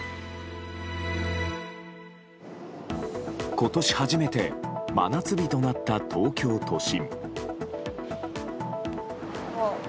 今年初めて真夏日となった東京都心。